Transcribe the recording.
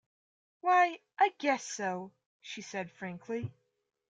“Why, I guess so,” she said frankly.